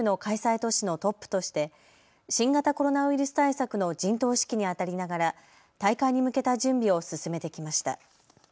都市のトップとして新型コロナウイルス対策の陣頭指揮にあたりながら大会に向けた準備を進めてきました。